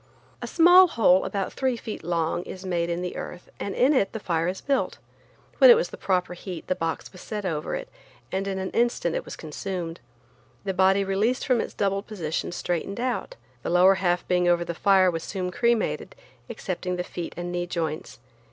A small hole about three feet long is made in the earth and in it the fire is built. When it was the proper heat the box was set over it, and in an instant it was consumed. The body released from its doubled position straightened out. The lower half being over the fire was soon cremated, excepting the feet and knee joints.